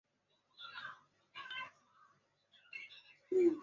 齿叶铁线莲为毛茛科铁线莲属下的一个种。